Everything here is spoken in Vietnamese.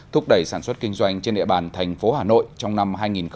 thúc đẩy sản xuất kinh doanh trên địa bàn tp hà nội trong năm hai nghìn hai mươi bốn